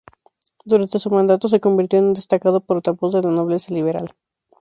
Durante su mandato, se convirtió en un destacado portavoz de la nobleza liberal.